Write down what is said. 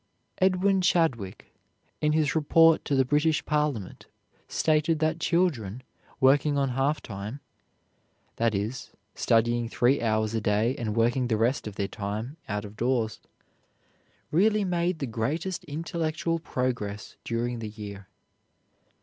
Edwin Chadwick, in his report to the British Parliament, stated that children, working on half time (that is, studying three hours a day and working the rest of their time out of doors), really made the greatest intellectual progress during the year.